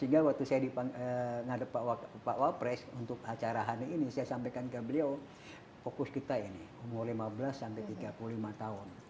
sehingga waktu saya di ngadep pak wapres untuk acara hari ini saya sampaikan ke beliau fokus kita ini umur lima belas sampai tiga puluh lima tahun